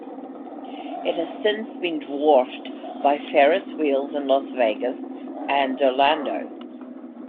It has since been dwarfed by Ferris wheels in Las Vegas and Orlando.